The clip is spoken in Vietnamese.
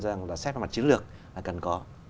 cho rằng xét vào mặt chiến lược là cần có